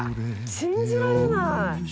信じられない。